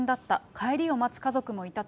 帰りを待つ家族もいたと。